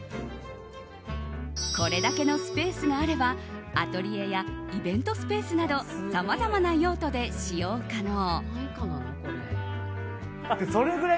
これだけのスペースがあればアトリエやイベントスペースなどさまざまな用途で使用可能。